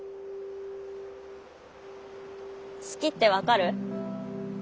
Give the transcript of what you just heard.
「好き」って分かる？